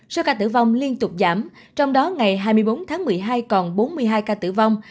số ca tử vong liên tục giảm trong đó ngày hai mươi bốn tháng một mươi hai còn bốn mươi hai ca tử vong